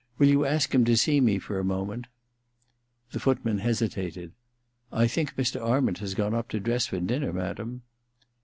*WiIl you ask him to see me for a moment ?' The footman hesitated. *I think Mr. Arment has gone up to dress for dinner, madam.